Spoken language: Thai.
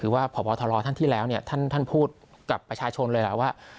คือว่าพอบทรทรที่แล้วท่านพูดกับประชาชนเลยว่า